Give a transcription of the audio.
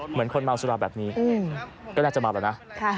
เหมือนคนเมาสุราแบบนี้ก็น่าจะเมาแล้วนะ